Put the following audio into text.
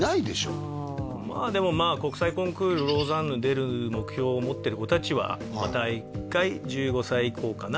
ああまあでも国際コンクールローザンヌ出る目標を持ってる子達はまあ大体１５歳以降かな？